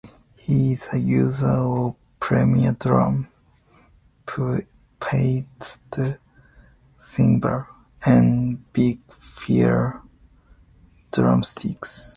He is a user of Premier Drums, Paiste cymbals and Vic Firth drumsticks.